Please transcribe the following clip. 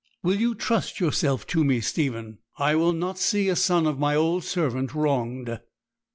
Will you trust yourself to me, Stephen? I will not see a son of my old servant wronged.'